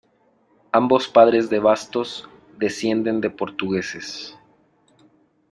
Ambos padres de Bastos, descienden de portugueses.